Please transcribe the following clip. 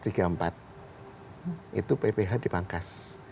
itu pph dipangkas